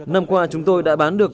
năm qua chúng tôi đã bán được